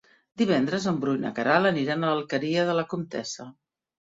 Divendres en Bru i na Queralt aniran a l'Alqueria de la Comtessa.